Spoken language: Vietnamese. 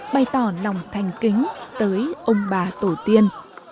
bày tỏ lòng thành kính tới ông bà tổ tiên